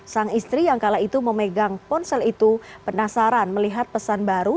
sang istri yang kala itu memegang ponsel itu penasaran melihat pesan baru